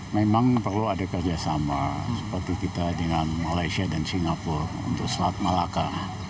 memang perlu ada kerjasama seperti kita dengan malaysia dan singapura untuk selat malaka